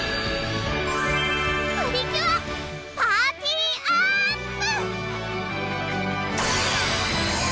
プリキュア・パーティアップ！